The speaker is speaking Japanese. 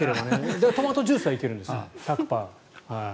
だから、トマトジュースはいけるんです。